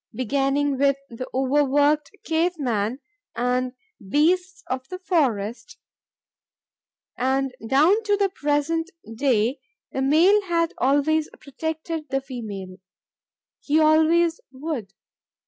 Beginning with the overworked "cave man" and "beasts of the forests," and down to the present day, "the male had always protected the female" He always would!